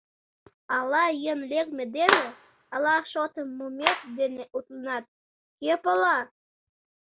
— Ала йӧн лекме дене, ала шотым мумет дене утленат, кӧ пала?